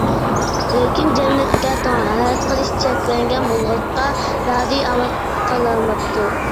لېكىن جەننەتكە تاھارەت قىلىش چەكلەنگەن بولغاچقا، زادى ئامال قىلالماپتۇ.